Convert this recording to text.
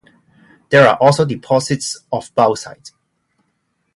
There are also deposits of bauxite.